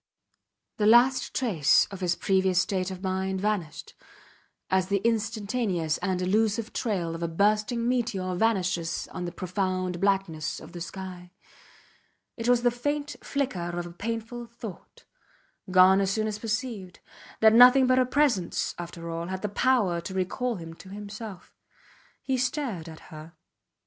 The last trace of his previous state of mind vanished, as the instantaneous and elusive trail of a bursting meteor vanishes on the profound blackness of the sky; it was the faint flicker of a painful thought, gone as soon as perceived, that nothing but her presence after all had the power to recall him to himself. He stared at her.